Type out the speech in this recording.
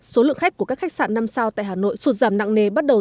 số lượng khách của các khách sạn năm sao tại hà nội sụt giảm nặng nề bắt đầu